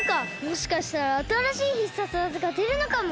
もしかしたらあたらしい必殺技がでるのかも！